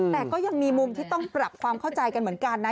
แต่ก็ยังมีมุมที่ต้องปรับความเข้าใจกันเหมือนกันนะ